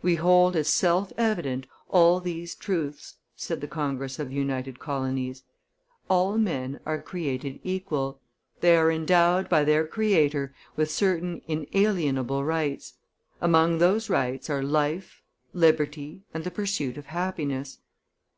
"We hold as self evident all these truths," said the Congress of united colonies: "All men are created equal, they are endowed by their Creator with certain inalienable rights; among those rights are life, liberty, and the pursuit of happiness.